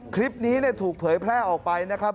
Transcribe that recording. คลิปนี้ถูกเผยแพร่ออกไปนะครับ